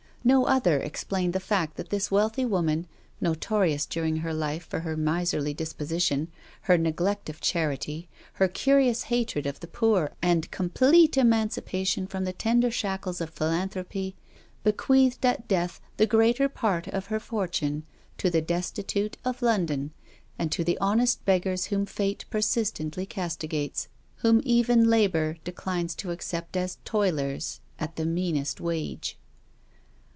No other explained the fact that this wealthy woman, noto rious during her life for her miserly disposition, her neglect of charity, her curious hatred of the poor and complete emancipation from the tender shackles of philanthropy, bequeathed at death the greater part of her fortune to the destitute of Lon don, and to the honest beggars whom fate persist ently castigates, whom even Labor declines to accept as toilers at the meanest wage.